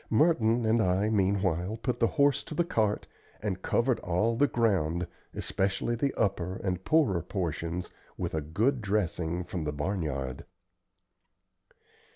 Merton and I meanwhile put the horse to the cart and covered all the ground, especially the upper and poorer portions, with a good dressing from the barnyard.